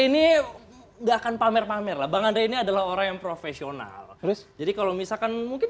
ini enggak akan pamer pamer lah bang andre ini adalah orang yang profesional jadi kalau misalkan mungkin